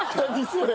それ。